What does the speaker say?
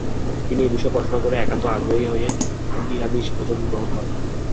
তিনি এ বিষয়ে পড়াশোনা করে একান্ত আগ্রহী হয়ে নিরামিষভোজন গ্রহণ করেন।